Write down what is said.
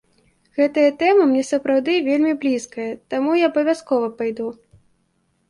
Гэтая тэма мне сапраўды вельмі блізкая, таму я абавязкова пайду.